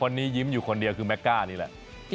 ยิ้มอยู่คนเดียวคือแม็กก้านี่แหละ